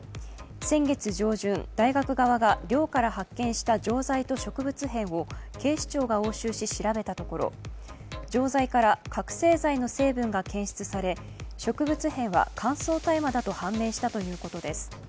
先月上旬、大学側が寮から発見した錠剤と植物片を、警視庁が押収し、調べたところ、錠剤から覚醒剤の成分が検出され植物片は乾燥大麻だと判明したということです。